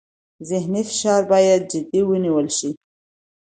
ذهني فشار باید جدي ونیول شي.